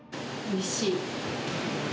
おいしい。